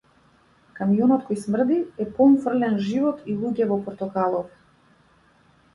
Камионот кој смрди е полн фрлен живот и луѓе во портокалово.